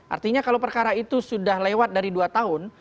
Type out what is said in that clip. artinya kalau perkara itu sudah lewat dari dua tahun